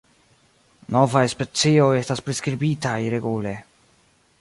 Novaj specioj estas priskribitaj regule.